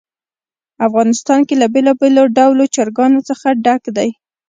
افغانستان له بېلابېلو ډولو چرګانو څخه ډک دی.